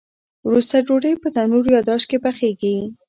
وروسته ډوډۍ په تنور یا داش کې پخیږي.